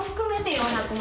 ４００万？